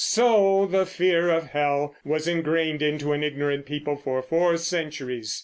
So the fear of hell was ingrained into an ignorant people for four centuries.